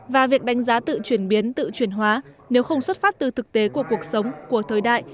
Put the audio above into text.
và việc đánh giá tự chuyển biến tự chuyển hóa nếu không xuất phát từ thực tế của cuộc sống của thời đại